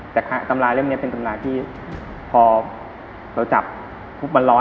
แต่ตำราเล่มนี้เป็นตำราที่พอเราจับปุ๊บมันร้อน